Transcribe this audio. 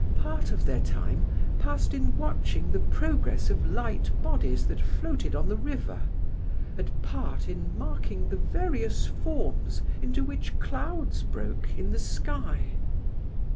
Part of their time passed in watching the progress of light bodies that floated on the river, and part in marking the various forms into which clouds broke in the sky.